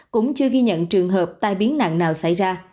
cũng chưa ghi nhận trường hợp tai biến nặng nào xảy ra